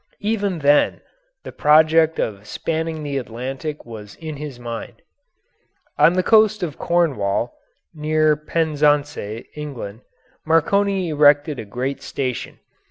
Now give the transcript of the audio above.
Even then the project of spanning the Atlantic was in his mind. On the coast of Cornwall, near Penzance, England, Marconi erected a great station.